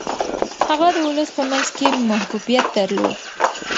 هغه د ولس په منځ کي محبوبیت درلود.